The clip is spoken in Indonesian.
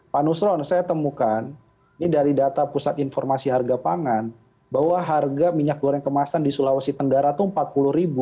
pak nusron saya temukan ini dari data pusat informasi harga pangan bahwa harga minyak goreng kemasan di sulawesi tenggara itu rp empat puluh